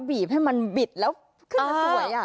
ถ้าบีบให้มันบิดแล้วขึ้นมาสวยอ่ะ